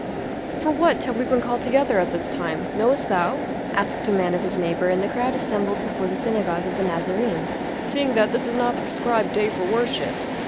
"For what have we been called together at this time, knowest thou?" asked a man of his neighbor in the crowd assembled before the synagogue of the Nazarenes. "Seeing that this is not the prescribed day for worship."